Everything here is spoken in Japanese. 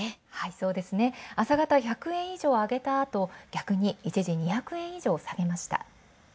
そうですね、朝方１００円以上上げた後逆に一時２００円以上下げました。